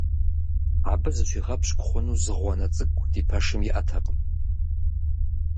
Абы зыщигъэпщкӀу хъуну зы гъуанэ цӀыкӀу ди пэшым иӀэтэкъым.